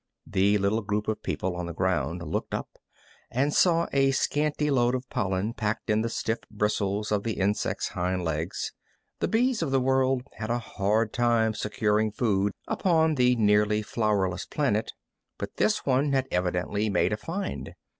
The little group of people on the ground looked up and saw a scanty load of pollen packed in the stiff bristles of the insect's hind legs. The bees of the world had a hard time securing food upon the nearly flowerless planet, but this one had evidently made a find.